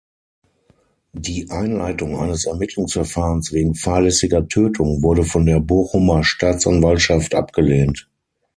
Die Einleitung eines Ermittlungsverfahrens wegen fahrlässiger Tötung wurde von der Bochumer Staatsanwaltschaft abgelehnt.